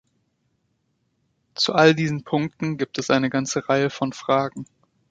Zu allen diesen Punkten gibt es eine ganze Reihe von Fragen.